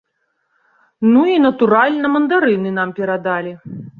Ну і, натуральна, мандарыны нам перадалі.